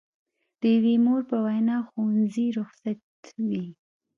د یوې مور په وینا ښوونځي رخصت وي.